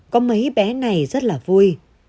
có mấy bé này rất là vui